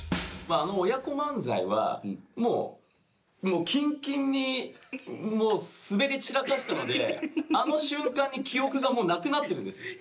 あの親子漫才は、もう、きんきんにもう、スベり散らかしたので、あの瞬間に記憶がもうなくなってるんです。